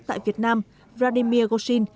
tại việt nam vladimir gorshin